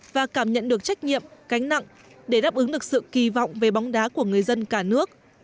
và cảm nhận được trách nhiệm cánh nặng để đáp ứng được sự kỳ vọng về bóng đá của người dân cả nước